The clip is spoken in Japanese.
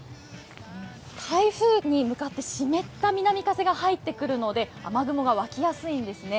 台風に向かって湿った南風が入ってくるので雨雲がわきやすいんですね。